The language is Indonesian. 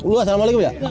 lu asalamualaikum ya